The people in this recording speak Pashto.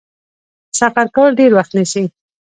سفر کول ډیر وخت نیسي.